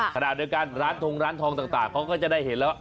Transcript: ขนาดเดียวกันร้านทองต่างเขาก็จะได้เห็นแล้วว่า